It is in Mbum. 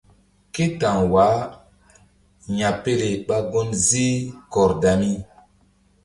Ké ta̧w wah ya̧pele ɓa gun ziih Kordami.